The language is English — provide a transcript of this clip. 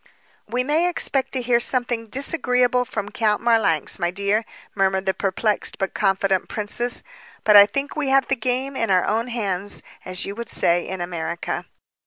"We may expect to hear something disagreeable from Count Marlanx, my dear," murmured the perplexed, but confident princess, "but I think we have the game in our own hands, as you would say in America."